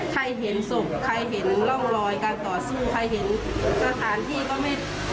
เห็นศพใครเห็นร่องรอยการต่อสู้ใครเห็นสถานที่ก็ไม่